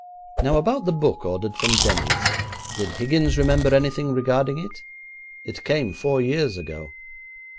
Now, about the book ordered from Denny's. Did Higgins remember anything regarding it? It came four years ago.